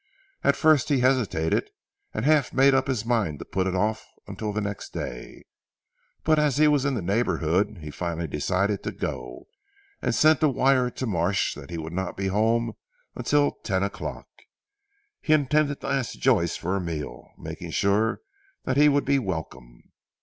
At first he hesitated, and half made up his mind to put it off until the next day. But as he was in the neighbourhood, he finally decided to go, and sent a wire to Marsh that he would not be home until ten o'clock. He intended to ask Joyce for a meal, making sure that he would be welcome.